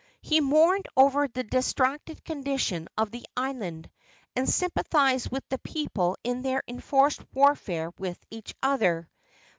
He mourned over the distracted condition of the island, and sympathized with the people in their enforced warfare with each other.